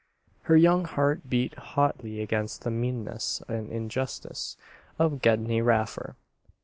Her young heart beat hotly against the meanness and injustice of Gedney Raffer.